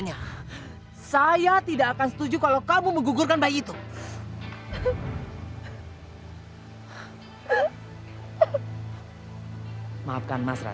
rati saya mencintai kamu hanya dengan cara menikahlah jalan satu satunya untuk menutupi rasa malu itu